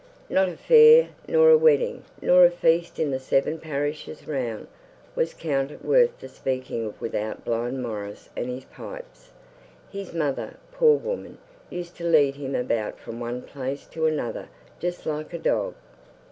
Not a fair, nor a wedding, nor a feast in the seven parishes round, was counted worth the speaking of without 'blind Maurice and his pipes.' His mother, poor woman, used to lead him about from one place to another just like a dog.